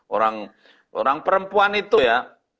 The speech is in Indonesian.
orang orang perempuan itu ya